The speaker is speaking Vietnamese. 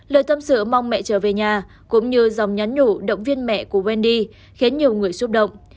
lời tâm sự mong mẹ trở về nhà cũng như dòng nhắn nhủ động viên mẹ của vendy khiến nhiều người xúc động